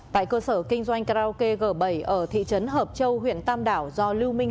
tại cơ sở kinh doanh karaoke g bảy ở thị trấn hợp châu huyện tam đảo